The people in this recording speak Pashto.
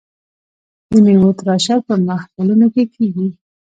د میوو تراشل په محفلونو کې کیږي.